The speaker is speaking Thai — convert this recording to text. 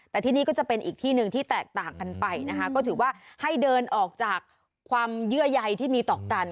แต่ที่นี่ก็จะเป็นอีกที่หนึ่งที่แตกต่างกันไปนะคะก็ถือว่าให้เดินออกจากความเยื่อใยที่มีต่อกัน